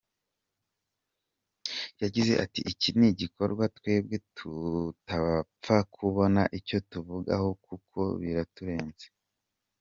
Yagize ati : “Iki ni igikorwa twebwe tutapfa kubona icyo tuvugaho kuko biraturenze.